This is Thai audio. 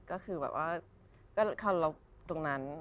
ก็คือแบบว่าคำเราตรงนั้น